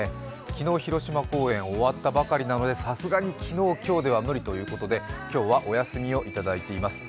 昨日広島公演終わったばかりなので、さすがに昨日、今日では無理ということで今日はお休みをいただいています。